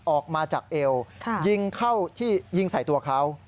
ออกมาจากเอลยิงใส่ตัวเขา